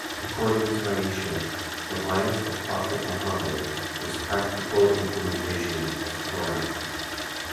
According to Aishah, the life of Prophet Muhammad was practical implementation of Qur'an.